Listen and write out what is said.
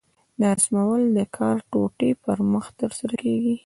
دا رسمول د کار د ټوټې پر مخ ترسره کېږي.